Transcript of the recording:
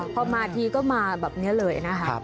พอมาทีก็มาแบบนี้เลยนะคะ